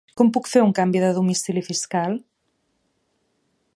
Com puc fer un canvi de domicili fiscal?